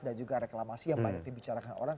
dan juga reklamasi yang banyak dibicarakan orang